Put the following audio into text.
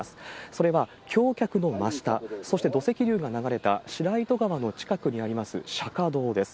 それは橋脚の真下、そして、土石流が流れたしらいと川の近くにあります釈迦堂です。